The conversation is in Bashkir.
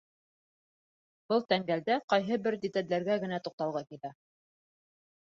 Был тәңгәлдә ҡайһы бер деталдәргә генә туҡталғы килә.